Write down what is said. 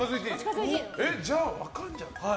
じゃあ分かるじゃん。